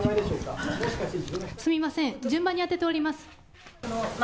すみません、順番に当てております。